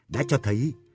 đã cho thấy